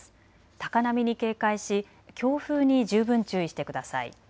高波に警戒し強風に十分注意してください。